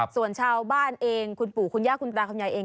ส่วนชาวบ้านเองคุณปู่คุณย่าคุณตาคุณยายเอง